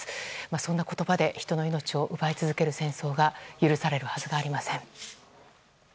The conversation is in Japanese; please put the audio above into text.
そんな言葉で人の命を奪い続ける戦争が許されるはずがありません。